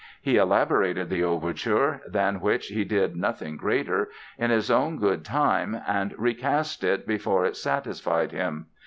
He elaborated the overture—than which he did nothing greater—in his own good time and recast it before it satisfied him.